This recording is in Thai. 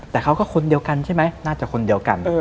แต่เขาก็คนเดียวกันใช่ไหมน่าจะคนเดียวกัน